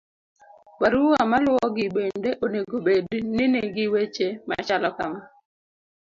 barua maluwogi bende onego bed ni nigi weche machalo kama